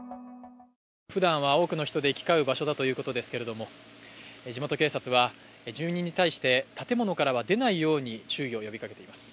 ふだんは多くの人で行き交う場所だということですが地元警察は、住民に対して建物からは出ないように注意を呼びかけています。